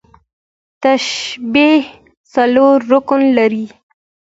تشبیه څلور رکنه لري.